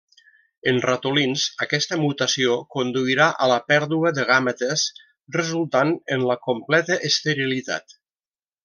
En ratolins aquesta mutació conduirà a la pèrdua de gàmetes resultant en la completa esterilitat.